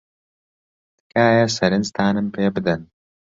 تکایە سەرنجتانم پێ بدەن.